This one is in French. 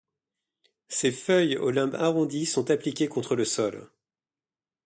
Ses feuilles, au limbe arrondi, sont appliquées contre le sol.